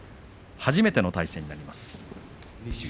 初めての対戦になります。